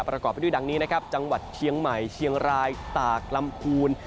ประกอบไปด้วยดังนี้นะครับจังหวัดเชียงใหม่เชียงรายตากลำพูน